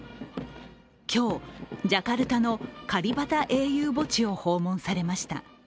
今日、ジャカルタのカリバタ英雄墓地を訪問されました。